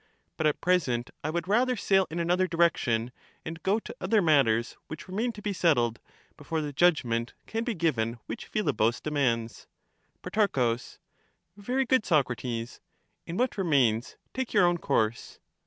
But at present I would rather sail in another direction, and go to other matters which remain to be settled, before the judgment can be given which Philebus demands. Pro. Very good, Socrates ; in what remains take your own course.